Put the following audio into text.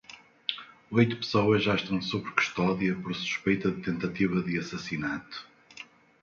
Oito pessoas já estão sob custódia por suspeita de tentativa de assassinato.